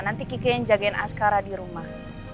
nanti kiki yang jagain askara di rumah